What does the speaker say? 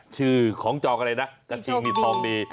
ชื่อของจองอะไรนะกระซิงมีทองดี